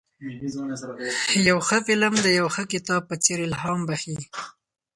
یو ښه فلم د یو ښه کتاب په څېر الهام بخښي.